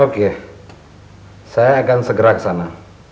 oke saya akan segera ke sana